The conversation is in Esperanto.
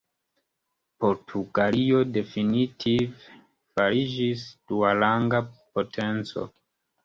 Portugalio definitive fariĝis duaranga potenco.